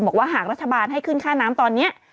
บอกว่าหากรัฐบาลให้ขึ้นค่าน้ำตอนนี้